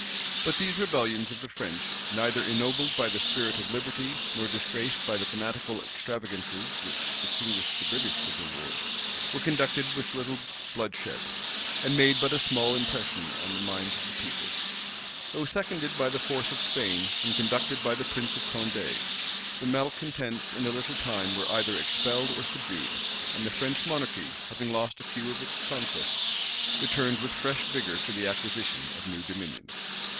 But these rebellions of the French, neither ennobled by the spirit of liberty, nor disgraced by the fanatical extravagancies which distinguished the British civil wars, were conducted with little bloodshed, and made but a small impression on the minds of the people. Though seconded by the force of Spain, and conducted by the prince of Condé, the malecontents in a little time were either expelled or subdued; and the French monarchy, having lost a few of its conquests, returned with fresh vigor to the acquisition of new dominion.